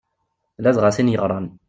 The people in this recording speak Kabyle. Ladɣa tin yeɣran.